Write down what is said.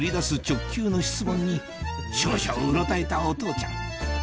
直球の質問に少々うろたえたお父ちゃん